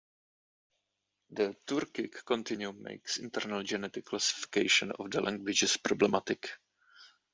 The Turkic continuum makes internal genetic classification of the languages problematic.